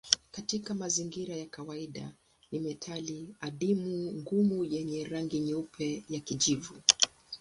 Katika mazingira ya kawaida ni metali adimu ngumu yenye rangi nyeupe ya kijivu.